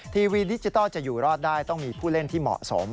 ทีวีดิจิทัลจะอยู่รอดได้ต้องมีผู้เล่นที่เหมาะสม